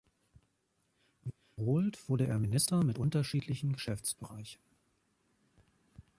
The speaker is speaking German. Wiederholt wurde er Minister mit unterschiedlichen Geschäftsbereichen.